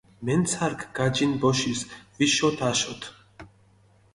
მენცარქ გაჯინჷ ბოშის ვიშოთ, აშოთ.